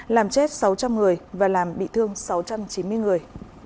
làm chết sáu trăm linh người và làm bị thương sáu trăm chín mươi người